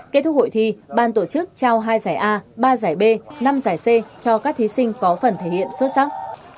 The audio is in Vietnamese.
kết thúc hội thi ban tổ chức trao hai giải a ba giải b năm giải c cho các thí sinh có phần thể hiện xuất sắc